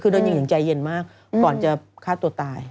คือโดนยิงอย่างใจเย็นมากก่อนจะฆ่าตัวตาย